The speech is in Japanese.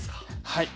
はい！